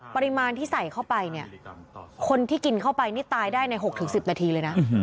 ปริมาณที่ใส่เข้าไปเนี่ยคนที่กินเข้าไปนี่ตายได้ใน๖๑๐นาทีเลยนะ